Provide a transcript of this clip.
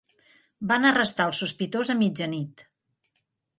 Van arrestar el sospitós a mitjanit